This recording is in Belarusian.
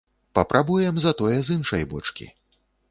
Папрабуем затое з іншай бочкі.